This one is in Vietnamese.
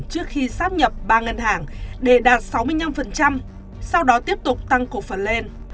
trước khi sắp nhập ba ngân hàng để đạt sáu mươi năm sau đó tiếp tục tăng cổ phần lên